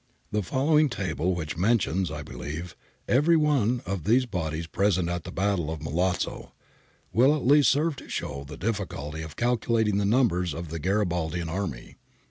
The following table, which mentions, I believe, ever>' one of these bodies present at the battle of Milazzo, will at least serve to show the difBculty of calculating the numbers of the Garibaldian army.